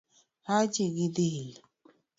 Haji gi dhil